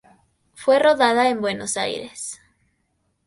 Fue rodada en Buenos Aires.